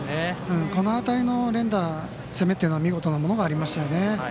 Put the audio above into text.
この辺りの連打、攻めというのは見事なものがありましたよね。